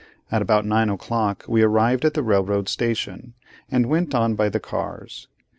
At about nine o'clock we arrived at the railroad station, and went on by the cars.